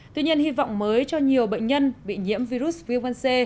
tuy nhiên hy vọng mới cho nhiều bệnh nhân bị nhiễm virus viêm gan c